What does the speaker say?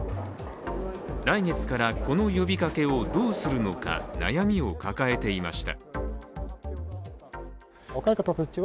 来月からこの呼びかけをどうするのか悩みを抱えていました。